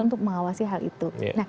untuk mengawasi hal itu